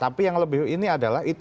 tapi yang lebih ini adalah